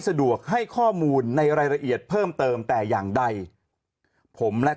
สะดวกให้ข้อมูลในรายละเอียดเพิ่มเติมแต่อย่างใดผมและ